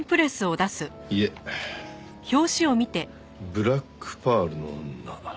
「ブラックパールの女」。